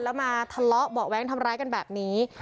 แล้วมาทะเลาะเบาะแว้งทำร้ายกันแบบนี้